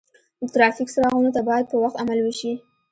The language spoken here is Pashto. د ترافیک څراغونو ته باید په وخت عمل وشي.